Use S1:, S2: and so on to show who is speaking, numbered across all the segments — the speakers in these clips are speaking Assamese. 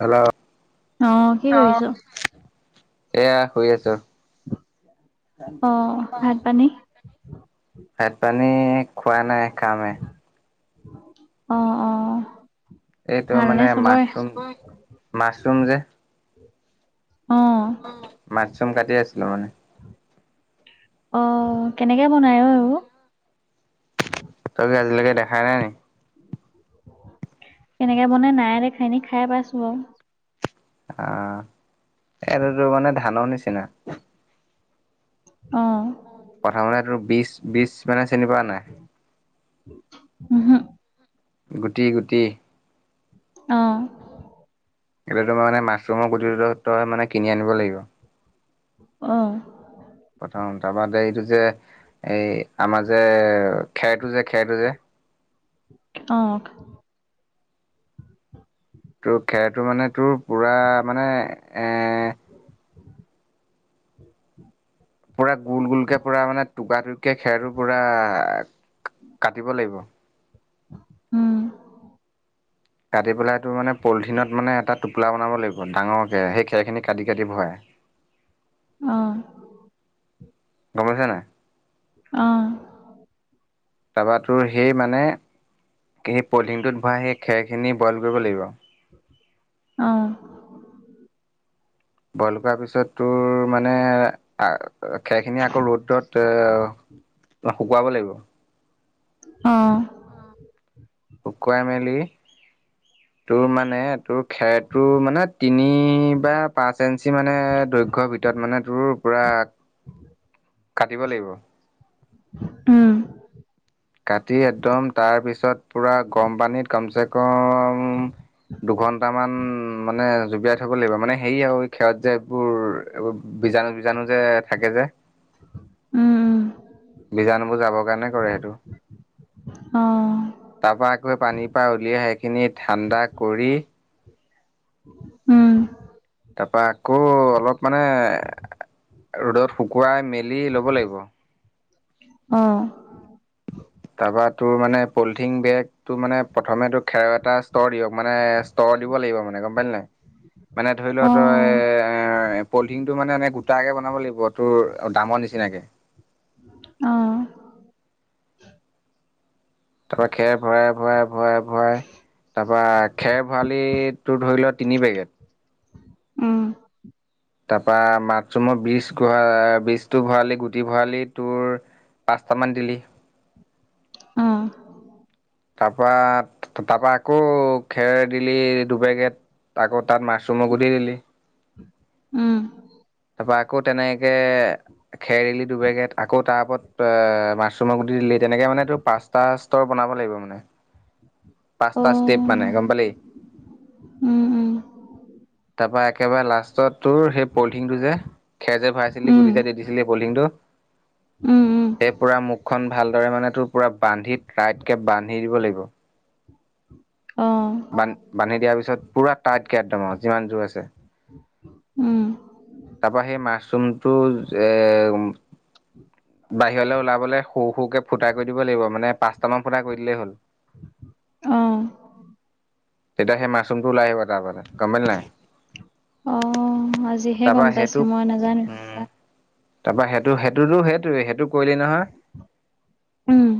S1: হেল্ল'
S2: অ কি
S1: অ
S2: কৰিছ
S1: এয়া শুই আছো।
S2: অ ভাত পানী
S1: ভাত পানী খোৱা নাই খাম হে,
S2: অ অ
S1: এইটো
S2: ভালনে
S1: মানে
S2: চবৰে
S1: মাছৰুম মাছৰুম যে
S2: অঁ
S1: মাছৰুম কাটি আছিলো মানে।
S2: অঁ কেনেকে বনায় অ এইবোৰ
S1: তই কি আজিলেকে দেখাই নাই নি?
S2: কেনেকে বনাই নাই দেখা, এনে খাই পাইছো বাৰু।
S1: অ এইটোতো মানে ধানৰ নিচিনা।
S2: অ
S1: প্ৰথমতে তোৰ বিচ বিচ মানে চিনি পাৱ নাই?
S2: উহো
S1: গুটি গুটি
S2: অ
S1: এতিয়াতো ম মানে মাছৰুমৰ গুটিটো তই কিনি আনিব লাগিব।
S2: অ
S1: প্ৰথম তাৰবাদে এইটো যে এই আমাৰ যে খেৰটো যে খেৰটো যে
S2: অ
S1: তোৰ খেৰটো মানে তোৰ পূৰা মানে এ পুৰা গোল গোলকে পুৰা মানে টুকা টুকে খেৰটো পুৰা কাটিব লাগিব।
S2: উম।
S1: কাটি পেলাই টোৰ মানে পলিথিনত মানে এটা টোপোলা বনাব লাগিব ডাঙৰ কে সেই খেৰখিনি কাটি কাটি ভৰাই।
S2: অ,
S1: গম পাইছনে নাই?
S2: অঁ।
S1: তাৰপাতো সেই মানে সেই পলথিনটোত ভৰা সেই খেৰখিনি বইল কৰিব লাগিব।
S2: অঁ।
S1: বইল কৰ পিছত তোৰ মানে খেৰখিনি আকৌ ৰ'দত ত শুকুৱাব লাগিব।
S2: অঁ,
S1: শুকুৱাই মেলি তোৰ মানে তোৰ খেৰটোৰ মানে তিনি বা পাঁচ ইঞ্চি মানে দৈৰ্ঘ্যৰ ভিতৰত মানে তোৰ পোৰা কাটিব লাগিব।
S2: উম।
S1: কাটি একদম তাৰপিছত পূৰা গৰম পানীত কমচে কম উম, দুঘন্টা মান মানে জুবিয়াই থব লাগিব মানে হে আৰু ক্ষত যে এইবোৰ এইবোৰ বীজাণু বীজাণু যে থাকে যে
S2: উম, উম।
S1: বীজাণুবোৰ যাবৰ কাৰণে কৰে সেইটো
S2: অঁ,
S1: তাৰ পৰা আকৌ পানীৰ পৰা উলিয়াই সেই খিনি ঠাণ্ডা কৰি
S2: উম।
S1: তাৰপা আকৌ অলপ মানে ৰ'দত শুকুৱাই মেলি ল'ব লাগিব
S2: অঁ।
S1: তাৰপা তোৰ মানে পলিথিন বেগ তটো মানে প্ৰথমে তোৰ খেৰ এটা ষ্টৰ দিয়ক মানে স্তৰ দিব লাগিব মানে গম পালি নাই মানে ধৰি লোৱা
S2: অ
S1: তই পলিথিংটো মানে এনেই গোটাকৈ বনাব লাগিব তোৰ দামৰ নিচিনাকে।
S2: অঁ।
S1: তাৰ পৰাৰা খেৰ ভৰাই, ভৰাই, ভৰাই, ভৰাই তাৰ পৰা খেৰ ভৰালিত তটো ধৰি লোৱা তিনি বেগেট।
S2: উম।
S1: তাৰ পৰা মাথৰুমৰ বীজ, বীজটো ভৰালি গুটি ভৰালি তোৰ পাঁচটামান দিলি।
S2: অঁ।
S1: তাৰপৰা তাৰপৰা আকৌ খেৰ দিলি দু পেকেট। আকৌ তাত মাছৰুমৰ গুটি দিলি।
S2: উম।
S1: তাৰপৰা আকৌ তেনেকে খেৰ দিলি দুপেকেট আকৌ তাৰ ওপৰত অ, মাছৰুমৰ গুটি দিলি তেনেকে মানে তো পাচ পাঁচটা ষ্টৰ বনাব লাগিব মানে।
S2: অ
S1: পাঁচটা ষ্টেপ মানে গম পালি।
S2: উম, উম।
S1: তাৰপৰা একেবাৰে লাষ্টত তোৰ সেই পলথিন টো যে, খেৰ যে ভৰাইছিলি
S2: উম
S1: গুটি যেই দি দিছিলি সেই পলিথিনটো
S2: উম, উম।
S1: সেই পৰা মুখখন ভালদৰে মানে তোৰ পৰা বান্ধি তাইট কে বান্ধি দিব লাগিব।
S2: অ
S1: বান্ধ, বান্ধি দিয়াৰ পিছত পুৰা টাইটকে একদম আৰু যিমান জোৰ আছে।
S2: উম।
S1: তাৰপৰা সেই মাছৰুমটো এ যে বাহিৰলৈ ওলাবলৈ সৰু সৰুকে ফুটা কৰি দিব লাগিব মানে পাঁচটা মান ফুটা কৰি দিলেই হ'ল।
S2: অঁ।
S1: তেতিয়া সেই মাছৰুমটো ওলাই আহিব তাৰপৰা গম পালি নাই?
S2: অঁ, আজিহে গম
S1: তাৰপৰা
S2: পাইছো
S1: সেইটো
S2: মই নাজানো
S1: উম তাৰপৰা সেইটো সেইটোতো সেইটোৱে সেইটো কৰিলি নহয়।
S2: উম,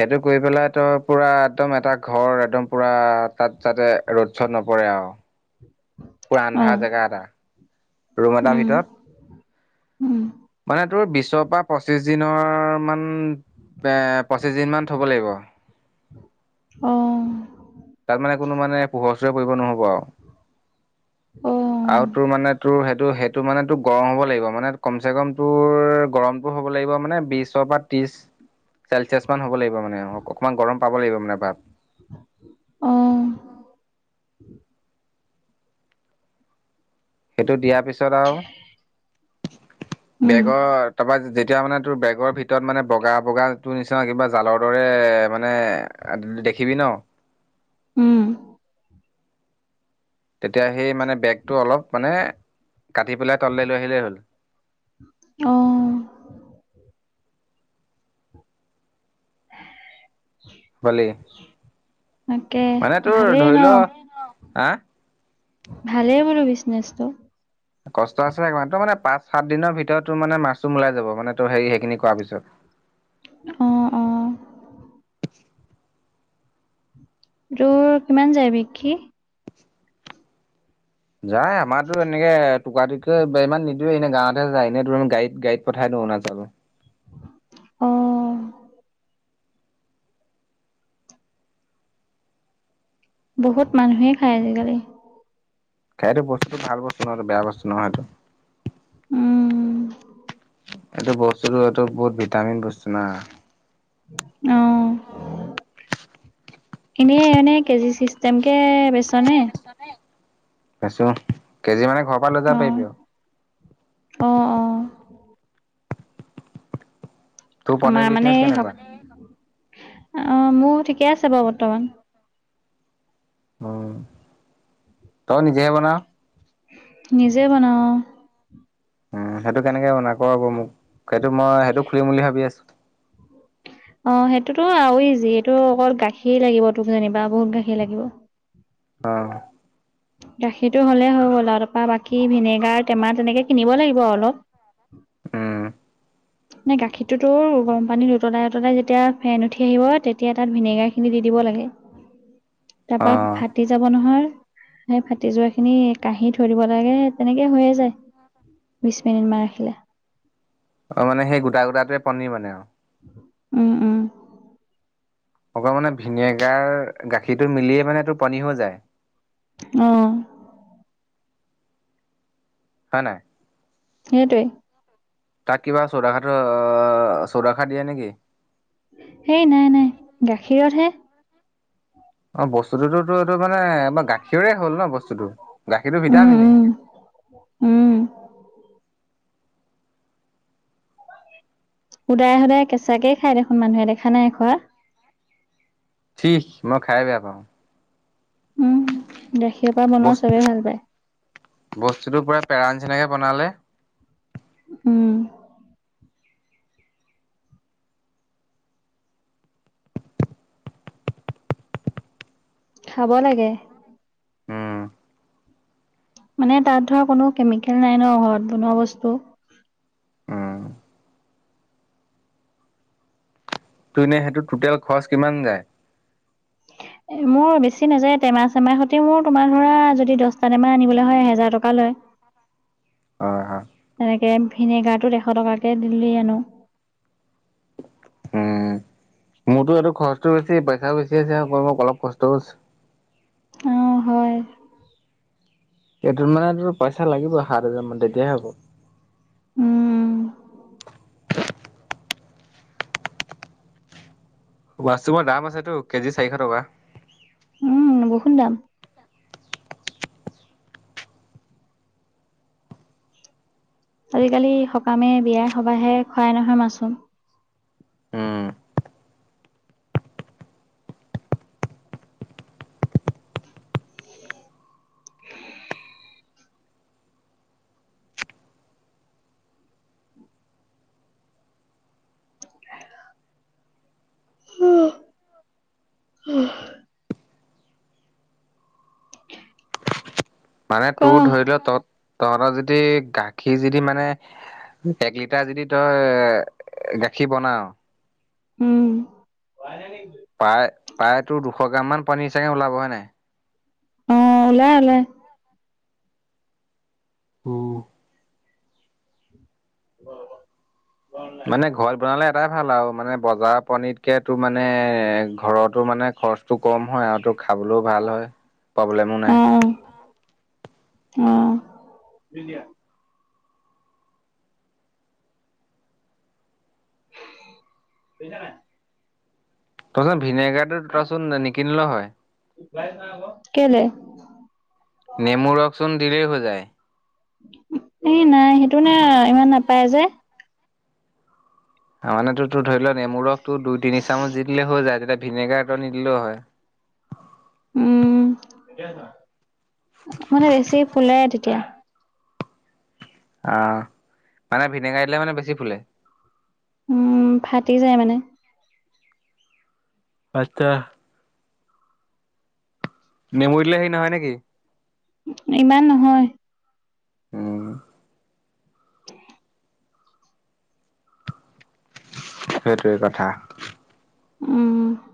S1: সেইটো কৰি পেলাই তই পুৰা একদম এটা ঘৰ একদম পূৰা তাত যাতে ৰ'দ চ'দ নপৰে আৰু পুৰা আন্ধাৰ
S2: অ',
S1: জেগা এটা। ৰুম এটাৰ
S2: উম,
S1: ভিতৰত
S2: উম,
S1: মানে তোৰ বিশৰ পৰা পঁচিশ দিনৰ মান পঁচিছ দিনমান থ'ব লাগিব।
S2: অঁহ।
S1: তাত মানে কোনো মানে পোহৰ চোহৰ পৰিব নহ'ব আৰু।
S2: অ
S1: আৰু তোৰ মানে তোৰ সেইটো সেইটো মানে তোৰ গৰম হ'ব লাগিব মানে কমচেকম তোৰ গৰম তোৰ হ'ব লাগিব মানে বিশৰ পৰা ত্ৰিশ চেলচিয়ছ মান হ'ব লাগিব মানে অকণমান গৰম পাব লাগিব মানে ভাপ
S2: অ',
S1: অহ সেইটো দিয়াৰ পিছত আৰু
S2: উম,
S1: বেগত তাৰপৰা যেতিয়া মানে তোৰ বেগৰ ভিতৰত মানে বগা বগাটোৰ নিচিনা কিবা জালৰ দৰে মানে দেখিবি ন
S2: উম
S1: তেতিয়া সেই মানে বেগটো অলপ মানে কাটি পেলাই তললৈ লৈ আহিলেই হ'ল।
S2: অঁহ
S1: হলেই
S2: তাকে
S1: মানে তোৰ
S2: ভালেই ন?
S1: ধৰি ল, হা?
S2: ভালেই বোলো বিজনেচটো।
S1: কষ্ট আছে ত মানে পাঁচ সাত দিনৰ ভিতৰত তোৰ মানে মাছটো ওলাই যাব মানে তোৰ হেৰি সেইখিনি কৰা পিছত
S2: অ অ। তোৰ কিমান যায় বিক্ৰী?
S1: যায় আমাৰতো এনেকে টুকুৰা টুকুৰিকে ইমান নিদিওৱে এনে গাঁৱতহে যায় এনেই ধৰি ল গাড়ীত গাড়ীত পঠাই দিওঁ অৰুণাচলত
S2: অ। বহুত মানুহেই খায় আজিকালি।
S1: খাই বস্তুটো ভাল বস্তু নহ বেয়া বস্তু নহয়টো।
S2: উম
S1: এইটো বস্তুটো এইটো বহুত ভিটামিন বস্তু না।
S2: অঁহ এনেই এনেই কেজি ছিষ্টেম কে বে
S1: চ নে? বেচো কেজি মানে ঘ
S2: অ', অ', অ'।
S1: তোৰ পনীৰ
S2: আমাৰ মানে
S1: বিজনেচ
S2: এই
S1: কেনেকুৱা?
S2: হক, আ, মোৰ ঠিকে আছে বাৰু বৰ্তমান।
S1: উম। তই নিজেহে বনাও।
S2: নিজে বনাওঁ অ'।
S1: উম, সেইটো কেনেকে বনা ক আকৌ মোক, সেইটো মই সেইটো খুলিম বুলি ভাবি আছোঁ।
S2: অ' সেইটোতো আৰু ইজি, এইটো অকল গাখীৰ লাগিব তোক যেনিবা, বহুত গাখীৰ লাগিব।
S1: অ'।
S2: গাখীৰটো হ'লেই হৈ গ'ল আৰু, তাৰপা বাকী ভিনেগাৰ টেমা তেনেকে কিনিব লাগিব অলপ।
S1: উম।
S2: নে গাখীৰটোতো গৰম পানীত উতলাই উতলাই যেতিয়া ফেন উঠি আহিব তেতিয়া তাত ভিনেগাৰখিনি দি দিব লাগে,
S1: অ
S2: তাৰপা ভাত টি যাব নহয়। সেই ফাটি যোৱাখিনি কাঁহী থৈ দিব লাগে, তেনেকে হৈয়ে যায়। বিছ মিনিটমান ৰাখিলে।
S1: অ' মানে সেই গোটা গোটাটোৱে পনীৰ বনে আৰু।
S2: উম, উম।
S1: অকল মানে ভিনেগাৰ, গাখীৰটো মিলিয়ে মানে এইটো পনীৰ হৈ যায়?
S2: অ'।
S1: হয় নাই?
S2: সেইটোৱেই।
S1: তাক কিবা চৌৰাখাটৰ চৌৰাখাৰ দিয়ে নেকি?
S2: সেই নাই নাই, গাখীৰতহে।
S1: অ' বস্তুটোতোতো এইটো মানে এবাৰ গাখীৰৰেই হ'ল ন' বস্তুতটো, গাখীৰটো
S2: উম
S1: ভিটামিনে।
S2: উম উম। সদায় সদায় কেঁচাকে খাই দেখোন মানুহে, দেখা নাই খোৱা?
S1: ঠিক, মই খায়ে বেয়া পাওঁ।
S2: উম, গাখীৰ পৰা বনোৱা
S1: বস্তু
S2: চবে ভাল পায়।
S1: বস্তুটো পুৰা পেৰাৰ নিচিনাকে বনালে।
S2: উম। খাব লাগে।
S1: উম।
S2: মানে তাত ধৰ কোনো কেমিকেল নাই ন' ঘৰত বনোৱা বস্তু।
S1: উম। ত' এনে সেইটোত টোটেল খৰচ কিমান যায়?
S2: মোৰ বেছি নাযায়, টেমাই চেমাহ সৈতে মোৰ তোমাৰ ধৰা যদি দছটা টেমা আনিবলৈ হয় এহেজাৰ টকা লয়।
S1: হয় হয়।
S2: এনেকে ভিনেগাৰটোত এশ টকাকে দিলি আনো।
S1: উম, মোৰতো এইটো খৰচটো বেছি, পইচাও বেছি আছে, ওপৰৰ পৰা অলপ কষ্টও আছে।
S2: অ' হয়।
S1: এইটোত মানে তোৰ পইচা লাগিব, সাত হাজাৰ মান তেতিয়াহে হ'ব।
S2: উম।
S1: মাচৰুমৰ দাম আছেতো, কেজি চাৰিশ টকা।
S2: উম, বহুত দাম। আজিকালি সকামে, বিয়াই, সভাহে খুৱাই নহয় মাচৰুম।
S1: উম, মানে
S2: ক
S1: তোৰ ধৰি লোৱা তত তহঁতৰ যদি গাখীৰ যদি মানে এক লিটাৰ যদি তই, গাখীৰ বনাও।
S2: হোৱাই নাই নেকি?
S1: প্ৰায় প্ৰায়তো দুশ গ্ৰাম মান, পানীৰ চাগে ওলাব হয় নাই।
S2: [inaudible]
S1: উম,
S2: হয়।
S1: মানে ঘৰত বনালে এটাই ভাল আৰু মানে বজাৰৰ পনিতকে তোৰ মানে, এই ঘৰতো মানে খৰচ টো, কম হয় আৰু তোৰ খাবলৈও ভাল হয় প্ৰব্লেমো নাই।
S2: অ' অ, বুজা নাই?
S1: তই ভিনেগাৰটো তইচোন নিকিনিলেও হয়।
S2: কেলে?
S1: নেমু ৰসচোন দিলেই হৈ যায়।
S2: এ, নাই সেইটো মানে ইমান নাপায় যে।
S1: মানে তো, ধৰি ল, নেমুৰ ৰসতো দুই, তিনি, চামুচ দি দিলে হৈ যায়, তেতিয়া ভিনেগাৰ এটা নিদিলেও হয়।
S2: উম, মানে বেছি ফুলে তেতিয়া।
S1: অ, মানে ভিনেগাৰ দিলে মানে বেছি ফুলে।
S2: উম, ফাটি যায় মানে।
S1: বাদ দে নেমু দিলে, হেই নহয় নে নেকি?
S2: ইমান, নহয়।
S1: উম, সেইটোৱেই কথা।
S2: উম,